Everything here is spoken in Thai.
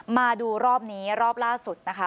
มาดูรอบนี้รอบล่าสุดนะคะ